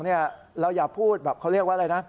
เราอย่าพูดแบบเขาเรียกว่าอะไรนะ